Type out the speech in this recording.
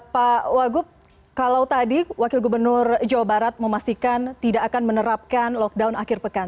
pak wagub kalau tadi wakil gubernur jawa barat memastikan tidak akan menerapkan lockdown akhir pekan